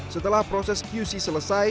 setelah proses qc selesai